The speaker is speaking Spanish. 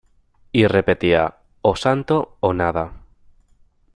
Y repetía: "O santo, o nada".